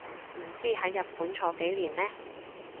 唔知喺日本坐幾年呢